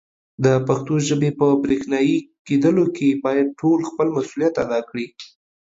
د پښتو ژبې په برښنایې کېدلو کې باید ټول خپل مسولیت ادا کړي.